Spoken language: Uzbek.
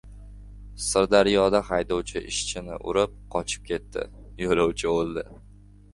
Sirdaryoda haydovchi ishchini urib, qochib ketdi. Yo‘lovchi o‘ldi